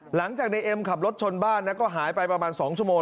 หลังจากในเอ็มขับรถชนบ้านนะก็หายไปประมาณ๒ชั่วโมง